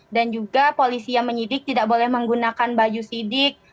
dan juga polisi yang menyidik tidak boleh menggunakan baju sidik